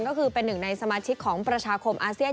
ก็คือเป็นหนึ่งในสมาชิกของประชาคมอาเซียน